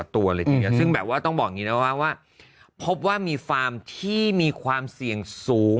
ตัวเลยทีเดียวซึ่งแบบว่าต้องบอกอย่างนี้นะว่าพบว่ามีฟาร์มที่มีความเสี่ยงสูง